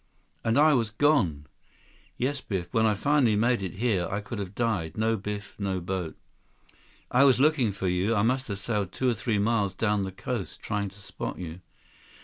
"And I was gone." "Yes, Biff. When I finally made it here, I could have died. No Biff. No boat." "I was looking for you. I must have sailed two or three miles down the coast, trying to spot you."